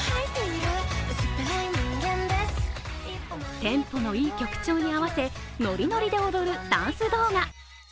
テンポのいい曲調に合わせ、ノリノリで踊るダンス動画。